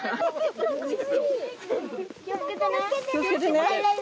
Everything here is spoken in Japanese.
気を付けてね。